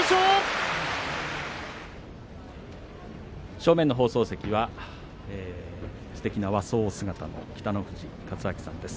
正面の放送席はすてきな和装姿の北の富士勝昭さんです。